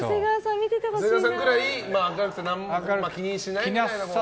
長谷川さんくらい明るくて何も気にしないみたいな。